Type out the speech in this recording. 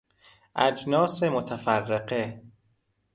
اجناس متفرقه